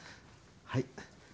はい。